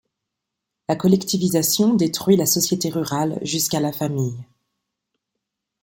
La collectivisation détruit la société rurale jusqu'à la famille.